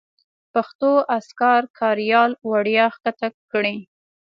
پښتو اذکار کاریال وړیا کښته کړئ